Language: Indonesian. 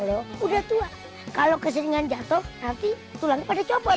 lo udah tua kalo keseringan jatuh nanti tulang pada copot